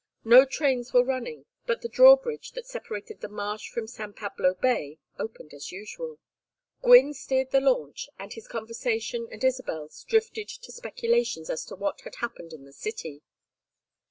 No trains were running, but the drawbridge that separated the marsh from San Pablo Bay opened as usual. Gwynne steered the launch, and his conversation and Isabel's drifted to speculations as to what had happened in the city.